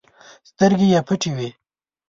سترګې يې پټې وې.